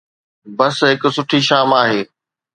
بس هڪ سٺي شام آهي.